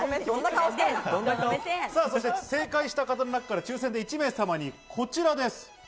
正解した方の中から抽選で１名様にこちらです。